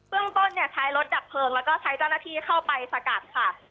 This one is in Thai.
เรื่องต้นเนี่ยใช้รถดับเพลิงแล้วก็ใช้เจ้าหน้าที่เข้าไปสกัดค่ะ